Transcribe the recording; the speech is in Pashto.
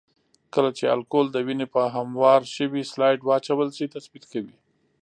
کله چې الکول د وینې په هموار شوي سلایډ واچول شي تثبیت کوي.